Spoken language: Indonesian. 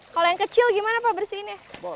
kalau yang kecil gimana pak bersihinnya